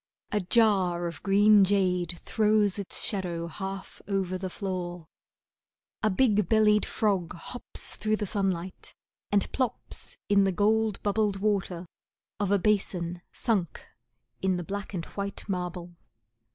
A jar of green jade throws its shadow half over the floor. A big bellied Frog hops through the sunlight and plops in the gold bubbled water of a basin, Sunk in the black and white marble.